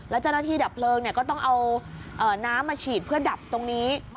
แล้วเจ้าหน้าที่ดับเพลิงก็ต้องเอาน้ำมาฉีดเพื่อดับตรงนี้